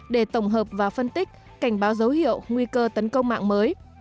để tổng hợp và phân tích cảnh báo dấu hiệu nguy cơ tấn công mạng mới